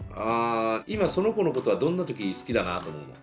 今その子のことはどんな時に好きだなと思うの？